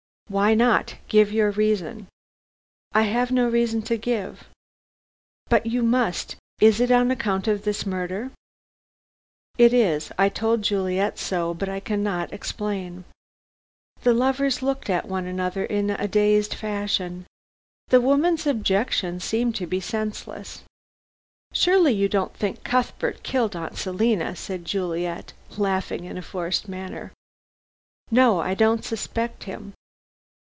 "Why not? Give your reason." "I have no reason to give." "But you must. Is it on account of this murder?" "It is. I told Juliet so. But I cannot explain." The lovers looked at one another in a dazed fashion. The woman's objection seemed to be senseless. "Surely you don't think Cuthbert killed Aunt Selina?" said Juliet, laughing in a forced manner. "No. I don't suspect him."